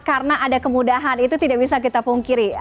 karena ada kemudahan itu tidak bisa kita pungkiri